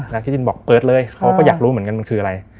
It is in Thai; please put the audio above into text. ที่ดินบอกเปิดเลยเขาก็อยากรู้เหมือนกันมันคืออะไร